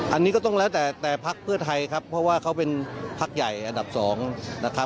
อันนี้ก็ต้องแล้วแต่แต่พักเพื่อไทยครับเพราะว่าเขาเป็นพักใหญ่อันดับ๒นะครับ